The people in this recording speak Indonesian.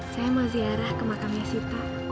saya mau ziarah ke makamnya sita